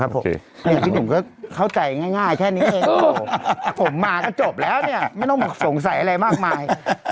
พี่หนุ่มก็เข้าใจง่ายแค่นี้เองผมมาก็จบแล้วเนี่ยไม่ต้องสงสัยอะไรมากมาย